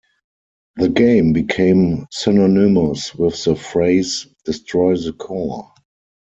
The game became synonymous with the phrase, Destroy the core!